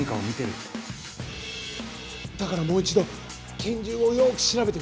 だからもう一度拳銃をよく調べてみた。